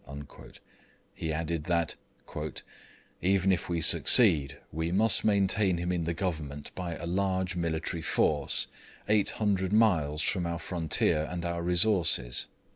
He added, that 'even if we succeed we must maintain him in the government by a large military force, 800 miles from our frontier and our resources.'